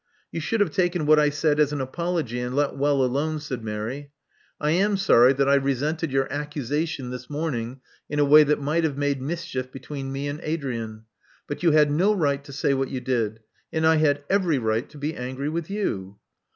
"You should have taken what I said as an apology, and let well alone," said Mary. "lam sorry that I resented your accusation this morning in a way that might have made mischief between me and Adrian. But you had no right to say what you did ; and I had every right to be angry with you."